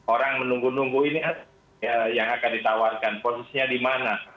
orang menunggu nunggu ini yang akan ditawarkan posisinya di mana